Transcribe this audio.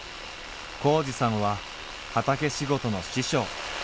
紘二さんは畑仕事の師匠。